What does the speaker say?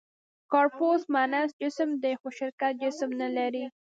«کارپوس» معنس جسم دی؛ خو شرکت جسم نهلري.